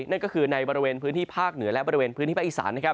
นั่นก็คือในบริเวณพื้นที่ภาคเหนือและบริเวณพื้นที่ภาคอีสานนะครับ